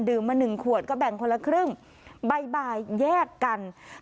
มา๑ขวดก็แบ่งคนละครึ่งบ่ายแยกกัน